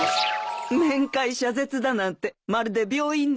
面会謝絶だなんてまるで病院だね。